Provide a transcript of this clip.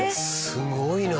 すごいな。